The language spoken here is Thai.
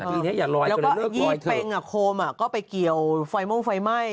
๒๐เพ็งอาโคมก็ไปเกี่ยวไฟม่วงไฟไหม้